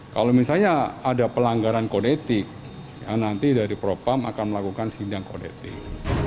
kalau misalnya ada pelanggaran kode etik ya nanti dari propam akan melakukan sidang kode etik